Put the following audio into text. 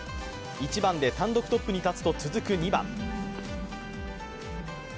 １番で単独トップに立つと続く２番。